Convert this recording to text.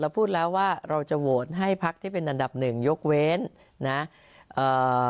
พูดแล้วว่าเราจะโหวตให้พักที่เป็นอันดับหนึ่งยกเว้นนะเอ่อ